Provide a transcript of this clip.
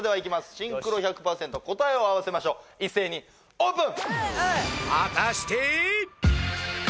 シンクロ１００％答えを合わせましょう一斉にオープン！